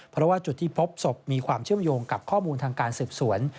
เพราะว่าจุดที่พบศพมีความเชื่อมโยงกับข้อมูลทางการสืบสวน